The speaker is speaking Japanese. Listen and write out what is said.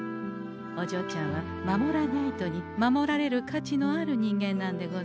おじょうちゃんは「守らニャイト」に守られる価値のある人間なんでござんすよ。